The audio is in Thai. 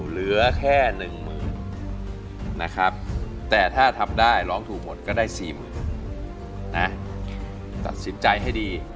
เหลือแค่หนึ่งหมื่นนะครับแต่ถ้าทำได้ร้องถูกหมดก็ได้สี่หมื่นนะตัดสินใจให้ดี